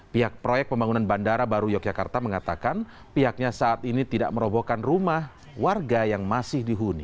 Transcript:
pihak proyek pembangunan bandara baru yogyakarta mengatakan pihaknya saat ini tidak merobohkan rumah warga yang masih dihuni